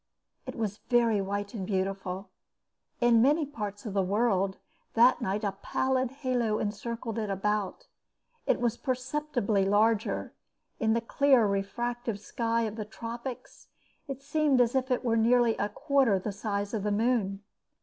It was very white and beautiful. In many parts of the world that night a pallid halo encircled it about. It was perceptibly larger; in the clear refractive sky of the tropics it seemed as if it were nearly a quarter the size of the moon.